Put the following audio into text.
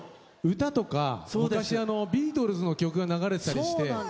歌とか昔ビートルズの曲が流れてたりして。